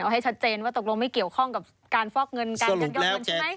เอาให้ชัดเจนว่าตกลงไม่เกี่ยวข้องกับการฟอกเงินการยักยอกเงินใช่ไหม